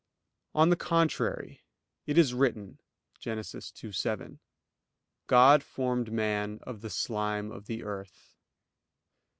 On the contrary, It is written (Gen. 2:7): "God formed man of the slime of the earth."